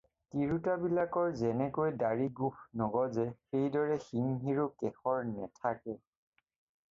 তিৰুতা বিলাকৰ যেনে কৈ দাড়ি গোফ নগজে সেই দৰে সিংহীৰো কেশৰ নেথাকে।